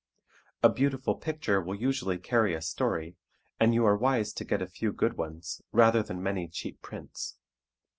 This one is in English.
A beautiful picture will usually carry a story, and you are wise to get a few good ones rather than many cheap prints.